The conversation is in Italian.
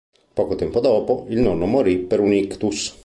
Poco tempo dopo, il nonno morì per un ictus.